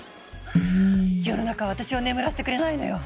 世の中は私を眠らせてくれないのよ！